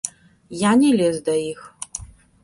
Я не лез да іх.